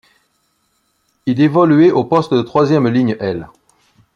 Il évoluait au poste de troisième ligne aile.